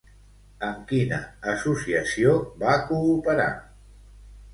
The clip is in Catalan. Amb quina associació va cooperar?